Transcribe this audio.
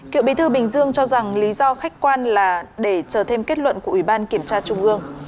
cựu bí thư bình dương cho rằng lý do khách quan là để chờ thêm kết luận của ủy ban kiểm tra trung ương